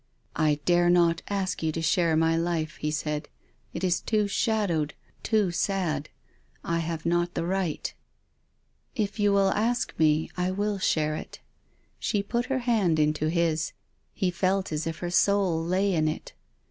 " I dare not ask you to share my life," he said. " It is too shadowed, too sad. I have not the right." " If you will ask me, I will share it." She put her hand into his. He felt as if her soul lay in it.